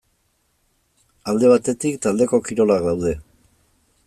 Alde batetik taldeko kirolak daude.